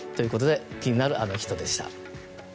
気になるアノ人でした。